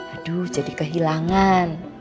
aduh jadi kehilangan